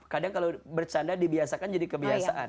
kadang kalau bercanda dibiasakan jadi kebiasaan